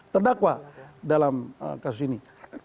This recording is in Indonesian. terdakwa dalam kasus ini